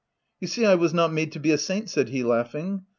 (t You see I was not made to be a saint," said he, laughing.